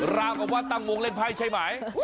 ราวกับว่าตั้งวงเล่นไพ่ใช่ไหม